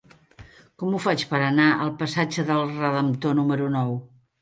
Com ho faig per anar al passatge del Redemptor número nou?